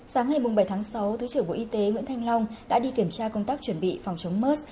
sáng ngày bảy tháng sáu thứ trưởng bộ y tế nguyễn thanh long đã đi kiểm tra công tác chuẩn bị phòng chống mers